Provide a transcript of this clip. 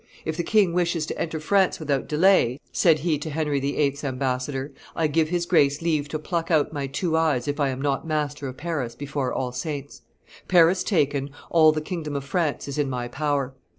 "If the king wishes to enter France without delay," said he to Henry VIII.'s ambassador, "I give his Grace leave to pluck out my two eyes if I am not master of Paris before All Saints. Paris taken, all the kingdom of France is in my power.